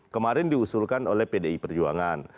kemarin diusulkan oleh pdi perjuangan